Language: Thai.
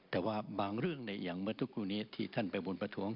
แต่ว่าบางเรื่องอย่างเมื่อสักครู่นี้ที่ท่านไปบนประท้วง